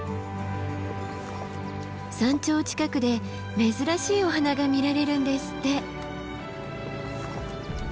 山頂近くで珍しいお花が見られるんですって。